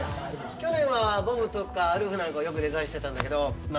去年はボブとかウルフなんかをよくデザインしてたんだけどまあ